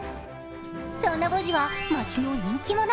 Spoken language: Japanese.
そんなボジは街の人気者。